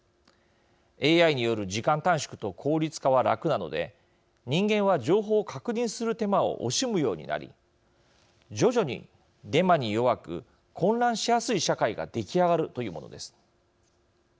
ＡＩによる時間短縮と効率化は楽なので人間は情報を確認する手間を惜しむようになり徐々にデマに弱く混乱しやすい社会が出来上がるというものです。